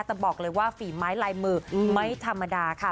แต่บอกเลยว่าฝีไม้ลายมือไม่ธรรมดาค่ะ